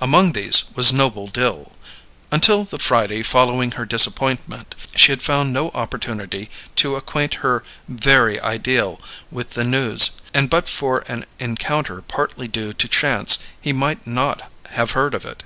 Among these was Noble Dill. Until the Friday following her disappointment she had found no opportunity to acquaint her Very Ideal with the news; and but for an encounter partly due to chance, he might not have heard of it.